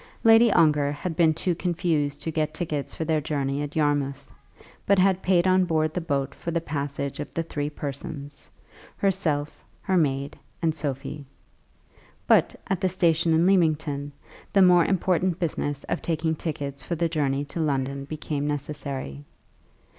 Lady Ongar had been too confused to get tickets for their journey at Yarmouth, but had paid on board the boat for the passage of the three persons herself, her maid, and Sophie. But, at the station at Lymington, the more important business of taking tickets for the journey to London became necessary.